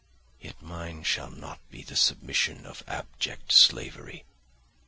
Yet mine shall not be the submission of abject slavery.